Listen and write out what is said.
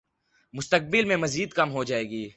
مستقبل میں مزید کم ہو جائے گی